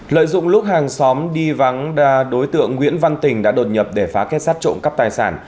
lợi dụng lúc hàng xóm đi vắng đối tượng nguyễn văn tình đã đột nhập để phá kết sát trộm cắp tài sản